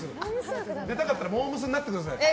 出たかったらモー娘。になってください。